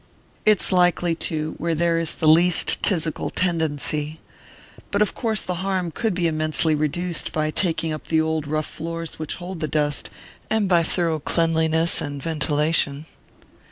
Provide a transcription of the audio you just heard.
"It's likely to, where there is the least phthisical tendency. But of course the harm could be immensely reduced by taking up the old rough floors which hold the dust, and by thorough cleanliness and ventilation."